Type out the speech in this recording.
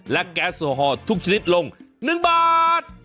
และแก๊สโอฮอลทุกชนิดลง๑บาท